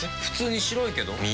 普通に白いけど。